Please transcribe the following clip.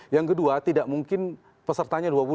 yang kedua tidak mungkin pesertanya dua puluh